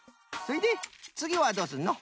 それでつぎはどうすんの？